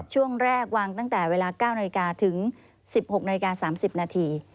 ช่วงแรกวางตั้งแต่เวลา๙นาฬิกาถึง๑๖นาฬิกา๓๐นาที